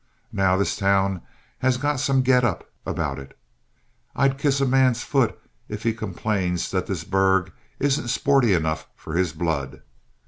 Now this town has got some get up about it; I'll kiss a man's foot if he complains that this burg isn't sporty enough for his blood.